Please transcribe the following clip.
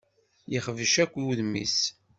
Yexbec akk udem-is.